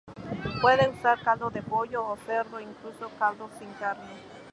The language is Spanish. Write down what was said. Puede usarse caldo de pollo o cerdo, o incluso caldos sin carne.